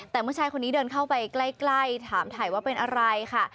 แต่เมื่อชายคนนี้เดินเข้าไปใกล้ถามถ่ายว่าเป็นอะไรค่ะ